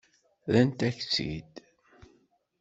Rrant-ak-tt-id.